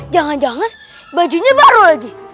jangan jangan bajunya baru lagi